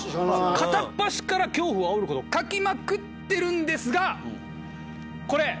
片っ端から恐怖をあおること書きまくってるんですがこれ。